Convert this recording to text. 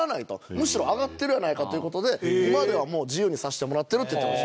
むしろ上がってるやないかという事で今では自由にさせてもらってるって言ってました。